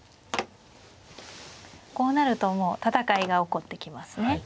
こうなるともう戦いが起こってきますね。